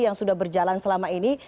yang sudah berjalan selama ini